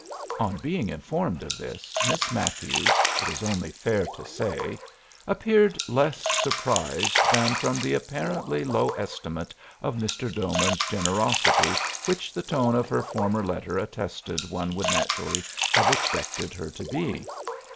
On being informed of this, Miss Matthews, it is only fair to say, appeared less surprised than from the apparently low estimate of Mr. Doman's generosity which the tone of her former letter attested one would naturally have expected her to be.